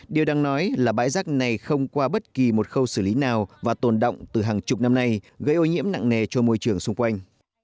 điều đang nói là bãi rác này không qua bất kỳ một khâu xử lý nào và tồn động từ hàng chục năm nay gây ô nhiễm nặng nề cho môi trường xung quanh